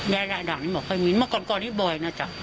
ไม่ค่อยมีได้ใช่มั้ยอย่างรายหลังยังไง